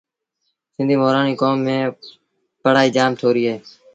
سنڌيٚ مورآڻيٚ ڪوم ميݩ پڙهآئيٚ جآم ٿوريٚ اهي